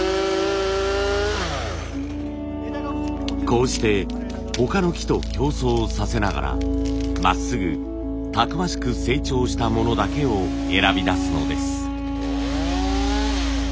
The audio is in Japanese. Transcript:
こうして他の木と競争させながらまっすぐたくましく成長したものだけを選び出すのです。